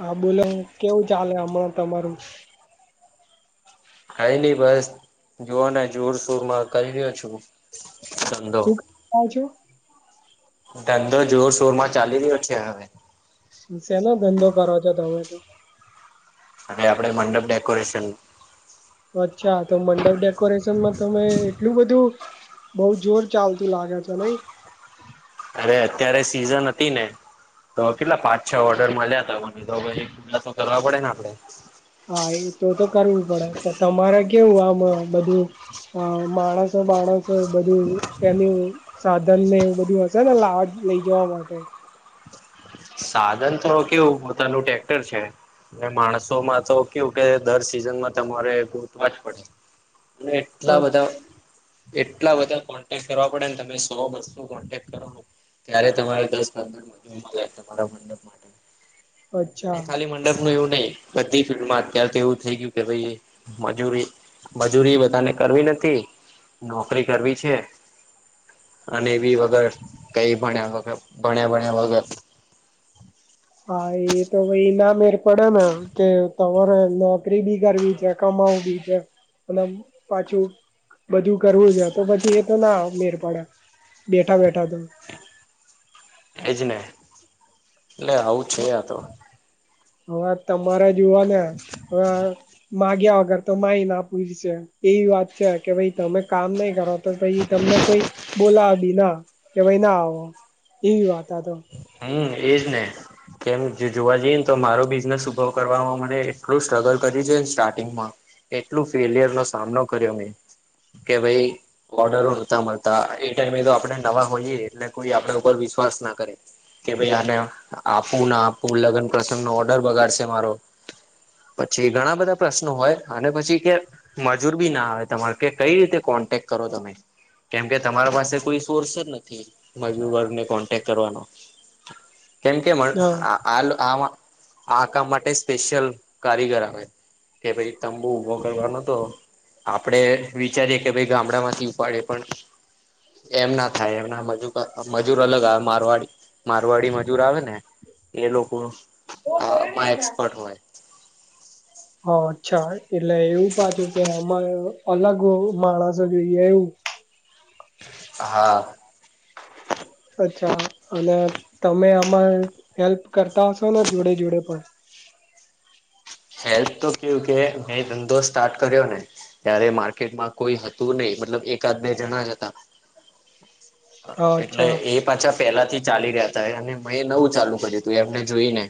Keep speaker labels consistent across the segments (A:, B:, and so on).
A: હા બોલો કેવું ચાલે હમણાં તમારું.
B: કઈ નઈ બસ જોઓને જોર શોર માં કરી રહ્યો છું. ધંધો.
A: શું કરતા છો
B: ધંધો જોરશોર માં ચાલી રહ્યો છે હવે.
A: શેનો ધંધો કરો છો તમે.
B: અને આપડે મંડપ ડેકોરેશન.
A: અચ્છા તો મંડપ ડેકોરેશનમાં તમે એટલું બધું. બઉ જોર ચાલતું લાગે છે નઈ.
B: અરે અત્યારે સિઝન હતી ને તો કેટલા પાંચ છ ઓર્ડર મળ્યા તો પછી વસુલ કરવા પડે ને આપડે.
A: હા એ તો તો કરવું પડે તમારે કેવું આમ બધું. અ માણસો બાણસો બધું એનું. સાધન ને એવું બધું હશે ને લાવા લઈ જવા માટે.
B: સાધન તો કેવું પોતાનું ટેક્ટર છે. માણસો માં તો કેવુ કે દર સિઝનમાં તમારે ગોતવા જ પડે. અને એટલા
A: અ
B: બધા એટલા બધા કોન્ટેક કરવા પડે ને તમે. [unintelligible] કોન્ટેક કર ત્યારે તમારે દસ પંદર મળે. ને
A: અચ્છા
B: ખાલી મંડપ નું એવું નહી. બધી ફિલ્ડમાં અત્યારે તો એવું થઈ ગયું કે ભાઈ મજૂરી. મજૂરી બધાને કરવી નથી નોકરી કરવી છે. અને બી વગર કઈ ભણ્યા વગ ભણ્યા ભણ્યા વગર.
A: હા એ તો ભ‌ઈ ના મેળ. પડે ને એમ કે તમારે નોકરી બી કરવી છે, કમાઉ બી છે. અને પાછું બધું કરવું છે તો પછી એ તો ના મેળ પડે. બેઠા બેઠા તમ
B: એજ ને એટલે આવું છે આ તો.
A: હવે તમારે જુવા ને હવે. માગ્યા વગર તો માય ના પૂરશે એવી વાત છે કે ભાઈ તમે કામ નહી કરો. તો પહીં તમને કોઈક બોલાવે બી ના, કે ભઈ ના આવો. એવી વાત આ તો.
B: હમ્મ એજ ને. [unintelligible] જોવા જઈએ ને તો મારો બિઝનેસ ઉભો કરવામાં મને એટલું સ્ટ્રગલ કર્યું છે ને સ્ટાર્ટિંગમાં. એટલું ફેલિયર નો સામનો કર્યો મેં કે ભઈ. ઓર્ડરો નોતા મળતા એ ટાઇમે તો આપડણે નવા હોઈયએ એટલે કોઈ આપે ઉપર વિશ્વાસ ના કરે. કે ભાઈ આને આપવું ના આપવું લગ્ન પ્રસંગ નો ઓર્ડર બગાડશે મારો. પછી ઘણા બધા પ્રશ્નો હોય અને પછી કે મજૂર બી ના આવે તમારે કે કઈ રીતે કોન્ટેક કરો તમે. કેમ કે તમારા પાસે કોઈ સોર્સ જ નથી. મજૂર વર્ગને કોન્ટેક્ટ કરવાનો. કેમ કે
A: હા
B: [unintelligible] આ કામ માટે સ્પેશિયલ કારીગર આવે. કે ભઈ તંબુ ઊભો કરવા નો હતો આપડે વિચારીએ કે ભઈ ગામડા માંથી ઉપાડીએ પણ એમ ના થાય, એમના મજૂર ક મજૂર અલગ આવે મારવાડી મારવાડી મજૂર આવે ને, એ લોકો આમાં એક્સપર્ટ હોય.
A: હા અચ્છા. એટલે એવું પાછું કે અમારે અલગ માણસો જોઈએ એવું.
B: હા.
A: અચ્છા. અને તમે આમાં હેલ્પ કરતા હશો ને જોડે-જોડે પણ?
B: હેલ્થ તો કેવું કે મેં ધંધો સ્ટાર્ટ કર્યો ને ત્યારે માર્કેટમાં કોઈ હતું નહીં મતલબ એકાદ બે જણા જ હતા.
A: હા
B: એટલે
A: અચ્છા
B: એ પાછા પહેલા થી ચાલી રહ્યા તા, અને મેં નવું ચાલુ કર્યું તું એમને જોઈ ને.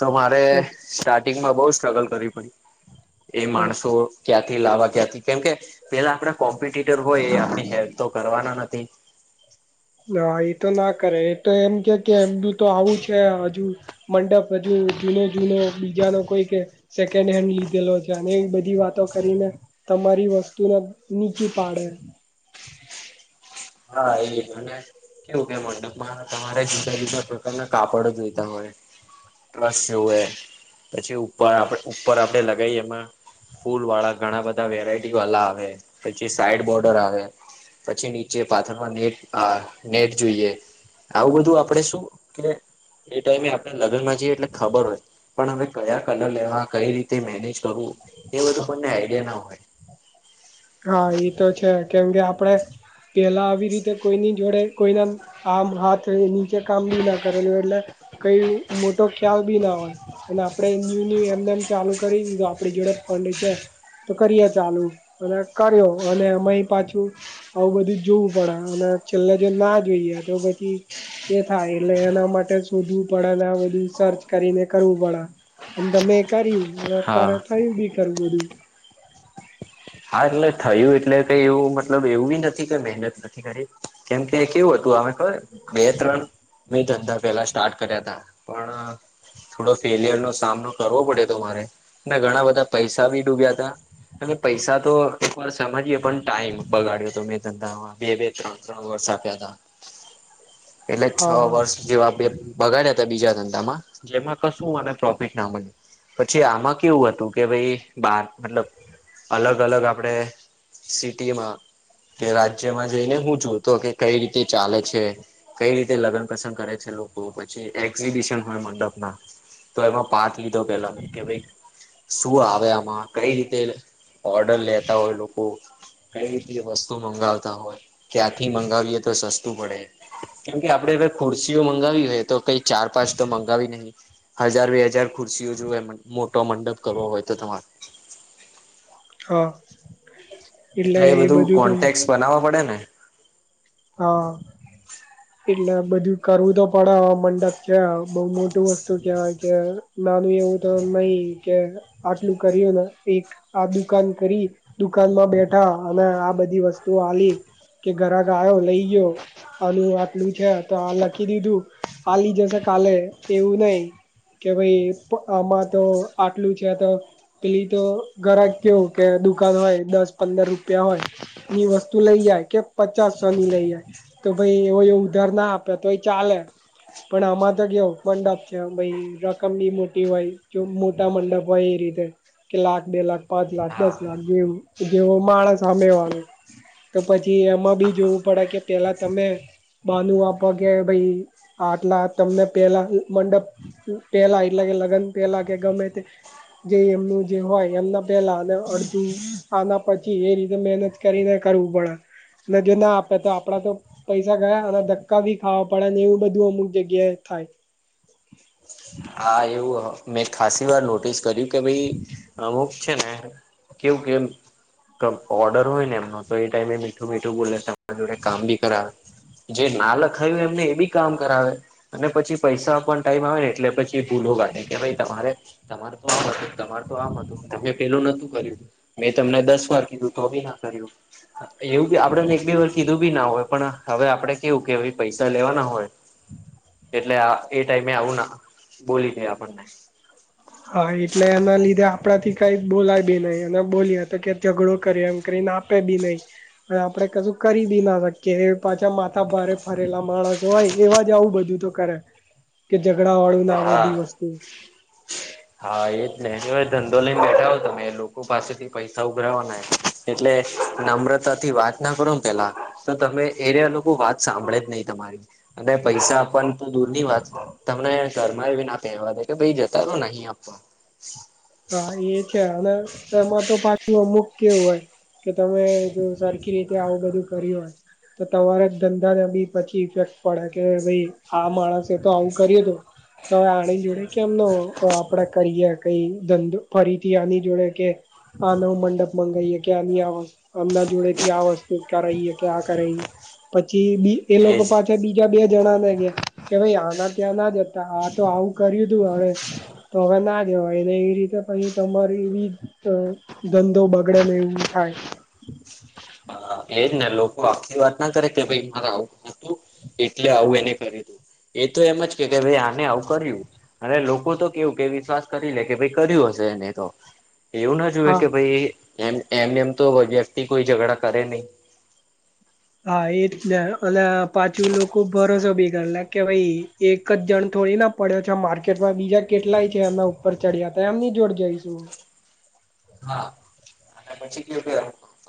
B: તો મારે
A: અચ્છા.
B: સ્ટાર્ટિંગમાં બહુ સ્ટ્રગલ કરવી પડી. એ માણસો ક્યાંથી લાવવા, ક્યાંથી, કેમકે પેલા આપણા કોમ્પિટટર હોય આપણી હેલ્પ તો કરવાના નથી.
A: ના એ તો ના કરે, એ તો એમ ક્યે કે એમનું તો આવું છે હજુ મંડપ હજુ જૂનો-જૂનો બીજાનો કોઈ કે સેકન્ડ હેન્ડ લીધેલો છે. અને એવી બધી વાતો કરીને તમારી વસ્તુ ના નીચી પાડે.
B: હા એ જ. અને કેવું કે મંડપમાં તમારે [inaudible] તમને કાપડ જોઈતા હોય, ટ્રસ્ટ જોવે. પછી ઉપર આપણે ઉપર આપડે લગાઈએ એમાં ફૂલ વાળા ઘણા બધા વેરાયટી વાલા આવે, પછી સાઈડ બોર્ડર આવે. પછી ની ચે પાથરવાની એક આ નેટ જોઈએ. આવું બધું આપણેે શું કે એ ટાઈમે આપણે લગ્ન માં જઈએ એટલે ખબર હોય, પણ હવે કયા કલર લેવા કઈ રીતે મેનેજ કરવું, એ બધું કોને આઈડિયા ના હોય.
A: હા, ઈતો છે કેમ કે આપડે પેલા આવી રીતે કોઈની જોડે કોઈના આમ હાથની કામ બી ના કરેલું હોય, એટલે કઈ મોટો ખ્યાલ ભી ના હોય. અને આપડે ન્યુ ન્યુ એમને એમ ચાલુ કરી દીધું આપડી જોડે ફંડ છે તો કરીએ ચાલુ અને કર્યો અને અમેએ પાછું. આવું બધુંજ જોવું પડે અને છેલ્લે જો ના જોઈએ તો પછી એ થાય એટલે એના માટે શોધવું પડે ને બધું સર્ચ કરીને કરવું પડે. અને તમે એ કર્યું એટલે
B: હા
A: અત્યારે થયું બી ખરું બધું.
B: હા, એટલે થયું એટલે કઈ એવું મતલબ એવું નથી કેઈ મહેનત નથી કરી. કેમ કે કેવું હતું અમે ખબર બે ત્રણ મેં ધંધા પેલા સ્ટાર્ટ કર્યાતા પણ થોડો ફેલિયરનો સામનો કરવો પડ્યો તો મારે ને ઘણા બધા પૈસા બી ડૂબ્યાતા. પૈસા તો એક વાર સમજીએે પણ ટાઈમ બગાડ્યો તો મેં ધંધામાં બે બે ત્રણ ત્રણ વર્ષ આપ્યાતા એટલે છ
A: હા હા
B: વર્ષ જેવા બે બગાડ્યા હતા બીજા ધંધામાં જેમાં કશું મને પ્રોફિટ ના મળ્યું પછી આમાં કેવું હતું કે ભાઈ બાર મતલબ. અલગ અલગ આપડે સિટીમા તે રાજ્યમાં જઈને હું જોતો કે કઈ રીતે ચાલે છે. કઈ રીતે લગ્ન પસંગ કરે છે લોકો પછી એક્ઝિબિશન હોય મંડપના તો એમાં પાર્ટ લીધો પેલા મે કે ભાઈ શું આવે આમાં કઈ રીતે ઓર્ડર લેતા હોય લોકો. કઈ રીતે વસ્તુ મંગાવતા હોય ક્યાંથી મંગાવીએ તો સસ્તું પડે. કેમ કે આપડે હર ખુરશીઓ મંગાવી હોય તો કઈ ચાર પાંચ તો મંગાવી નહી. હજાર બે હજાર ખુરશીઓ જો એ મોટો મંડપ કરવો હોય તો તમારે
A: હા એટલે એ બધું તો
B: બનાવવા પડે ને
A: હા. એટલે બધું કરવું તો પડે મંડપ છે બઉુ મોટું વસ્તુ કેવાય ક નાનું એવું તો નઈ કે આટલું કર્યું ને એક આ દુકાન કરી દુકાનમાં બેઠા અને આ બધી વસ્તુઓ આલી કે ઘરા ગો લઈ ગયો. આનું આટલું છે તો આ લખી દીધું આલી જશે કાલે એવું નઈ. કે ભાઈ આમાં તો આટલું છે તો. પેલી તો ઘરા કેવું કે દુકાન હોય દસ પંદર રૂપિયા હોય. ની વસ્તુ લઈ જાય કે પ. પચાસસો ની લઈ જાય તો ભાઈ એ ઉધાર ના આપે તો એ ચાલે. પણ આમાં તો કે ઓપડપ છે ભાઈ રકમ બી મોટી હોય જો મોટા મંડપ હોય એ રીતે કે લાખ બે લાખ પાંચ લાખ દસ
B: હા
A: લાખ જે જેવો માણસ સામે વાળો તો પછી એમાં બી. જોવું પડે કે પેલા તમે બાનુંુ આપવા કે ભાઈ આટલા તમને પેલા મંડપ પેલા એટલે કે લગ્ન પેલા કે ગમે તે જે એમનું જે હોય એમના પહેલા અડધું આના પછી એ રીતે મહેનત કરીને કરવું પડે જે ના આપે તો આપડા તો પૈસા ગયા અને ધક્કા ભી ખાવા પડે ને એવું બધું અમુક જગ્યાએ થાય.
B: હા એવું મેં ખાસી વાર નોટિસ કર્યું કે ભાઈ અમુક છેને. કેવું કેમ ઓર્ડર હોય ને એમનો તો એ ટાઈમે મીઠું મીઠું બોલે તમારા જોડે કામ બી કરાવે જે ના લખાય હો એમને એ બી કામ કરાવે અને પછી પૈસા પણ ટાઈમ આવે ને એટલે પછી. એ ભૂલો કાઢે કે ભાઈ તમારે તમાર તો આમ હતું તમાર તો આમ હતું તમે પેલું નતું કર્યું. મેં તમને દસ વાર કીધું તોભી ના કર્યું. એવું બી આપડેને એક બે વાર કીધું બી ના હોય પણ હવે આપડે કેવું કે પૈસા લેવાના હોય. એટલે એ ટાઈમે આવું ના બોલી દે આપણને
A: હા એટલે એના લીધે આપણા થી કઈ બોલાય બી નહી અને બોલીએ તો કે ઝઘડો કરી એમ કરીને. પે બી નહી. આપડણે કશું કરી બી ના શકીએ પાછા માથા ભારે ફરેલા માણસ હોય એવા જ આવું બધુ દૂ તોતો કરે કે જઝડા વાળ ના આ
B: હા
A: આવડધી વસ્તુ
B: હા એ જ નને ભ ધંધો લઈને બેઠા જા તમે લોકો પાસેથી પૈસા ઉભરાવાના એટલે નમ્રતા થી વાત ના કરો પેલા. તો તમે એને અ લોકો વાત સાંભળે જ નહી તમારી અને પૈસા આપવાની ત દૂરની વાત તમને ઘરમાં એ એવી ના તેડવા દે તો ભઈ જતા રો નહી આપવા.
A: હા એ છે અને એમાં તો પાછું અમુક કેવું હોય કે તમે જો સરખી રીતે આવું બધું કર્યું હોય. તો તમારા ધંધા બી પછી ઇફેક્ટ પડે કે ભાઈ આ માણસે તો આવું કરીએ તો. તો હવે આની જોડે કે એમનો આપડા કરયર કઈ ધંધો ફરીથી આની જોડે કે આ નવું મંડપ મગાવાઈે કે્યા આ નની આવ. અમના જોડે થી આ વસ્તુહીએ કે આ કરાઈ પછી બી એ લોકો
B: એજ
A: પાસે બ ગ બે જણા ને ગયા કે ભાઈ આના ત્યાં ના જતા આ તો આવું કર્યું તું હવે તો હવે ના જવાય ઈ રયો ઈ ઈ રીતે પહિ તમારી એવી અ ધંધો બગડેને એવું થાય.
B: હા એજ ને લોકો આખી વાત ના કરે કે ભાઈ મારે આવું હતું એટલે આવું એને કર્યું તું. એ તો એમજ કે કે ભાઈ આને આવું કર્યું. અને લોકો તો કેવું કે વિશ્વાસ કરી લે કે ભાઈ કર્યું હશે એને તો. એવું ન જુવે
A: હા.
B: કે ભઈ એમ એમને એમ તો વ્યક્તિ કોઈ ઝઘડા કરે નહી.
A: હા એજ ને અલા પાછું લોકો ભરોસો બી કરલે કે ભઈ એક જ જણ થોડી ના પડ્યો છે માર્કેટમાં બીજા કેટલાય છે એમના ઉપર ચડિયાતા એમની જોડ જઈશું.
B: હા અને પછી કેવું કે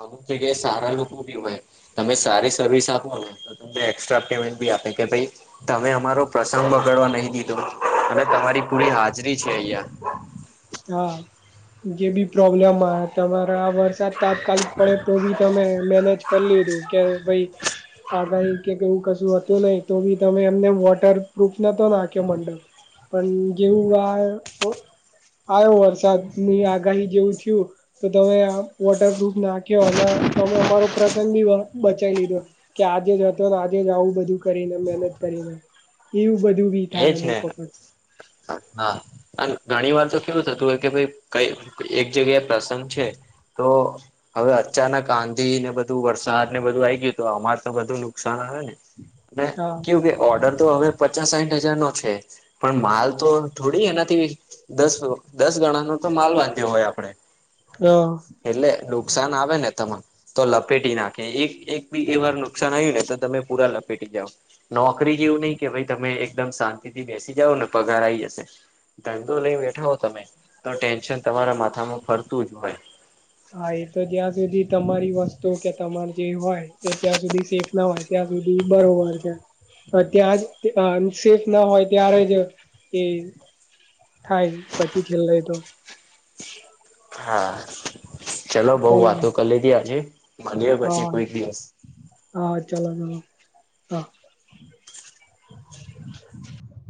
B: અમુક જગ્યાએ સારા લોકો ભી હોય તમે સારી સર્વિસ આપો ને તો તમને એક્સ્ટ્રા પેમેન્ટ ભી આપે કે ભઈ તમે અમારો પ્રસંગ બગાડવા નહી દીધો અને તમારી પૂરી હાજરી છે અહિયાં.
A: હા જે બી પ્રોબ્લેમ આ તમારા આ વરસાદ તાત્કાલિક પડે તો બી તમે મેનેજ કર લીધું કે ભઈ આગાહી કે કઈ એવું કશું હતું નહીં તો બી તમે એમને વોટર પ્રુફ નતો નાખ્યો મંડપ પન જેવું વા આયો વરસાદ ની આગાહી જેવું થયું. તો તમે આ વોટરપ્રુફ નાખ્યો અને તમે અમારો પ્રસંગ બી બચાઈ લીધો. કે આજે જ હતો ને આજે જ આવું બધું કરીને મહેનત કરીને. એવું બધું બી થાય
B: એજ
A: અમુક
B: ને
A: વખત.
B: હા અને ઘણીવાર તો કેવું થતું હોય કે ભઈ કઈ એક જગ્યાએ પ્રસંગ છે તો હવે અચાનક આંધીને બધું વરસાદને બધું આઈ ગયું તો અમાર તો બધું નુકસાન આવેને? ને
A: હા
B: કેવું કે ઓર્ડર તો હવે પચા સાઈઠ હજારનો છે પણ માલ તો થોડી એનાથી દસ દસ ગણાનો તો માલ બાંધ્યો હોય આપડે.
A: હહ
B: એટલે નુકસાન આવે ને તમાર. તો લપેટી નાખે એક એક બી એ વાર નુકસાન આયું ને તો તમે પુરા લપેટી જાવ. નોકરી જેવું નહી કે ભાઈ તમે એકદમ શાંતિથી બેસી જાઓ ને પગાર આઈ જશે. ધંધો લઈ બેઠા હો તમે તો ટેન્શન તમારા માથામાં ફરતું જ હોય.
A: હા એ તો જ્યાં સુધી તમારી વસ્તુ કે તમાર જે હોય એ ત્યાં સુધી સેફ ન હોય ત્યાં સુધી બરોબર છે. હવે ત્યાં જ તે અનસેફ ન હોય ત્યારે જ એ થાય પછી છેલ્લે તો.
B: હા ચલો બઉ
A: ચાલો
B: વાતો કર લીધી આજે મલીએ પછી
A: હા
B: કોઈક દિવસ.
A: હા ચલો ચલો. હા